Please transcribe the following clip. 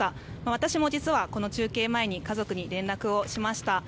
私も実は、この中継前に家族と連絡しました。